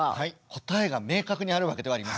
答えが明確にあるわけではありません。